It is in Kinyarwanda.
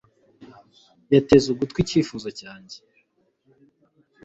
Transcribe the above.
Yateze ugutwi icyifuzo cyanjye.